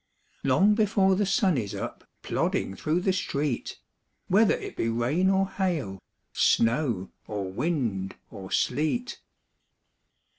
Long before the sun is up, Plodding through the street, Whether it be rain or hail, Snow or wind or sleet.